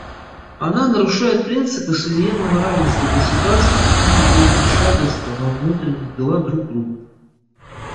Она нарушает принципы суверенного равенства государств и невмешательства во внутренние дела друг друга.